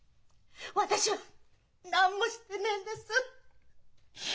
私は何もしてねえんです。